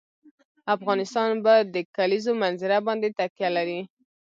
افغانستان په د کلیزو منظره باندې تکیه لري.